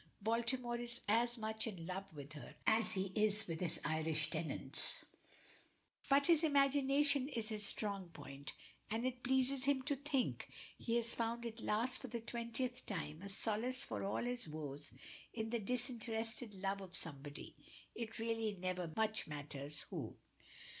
Baltimore is as much in love with her as he is with his Irish tenants, but his imagination is his strong point, and it pleases him to think he has found at last for the twentieth time a solace for all his woes in the disinterested love of somebody, it really never much matters who."